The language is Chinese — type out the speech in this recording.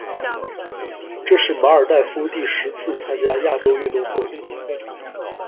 这是马尔代夫第十次参加亚洲运动会。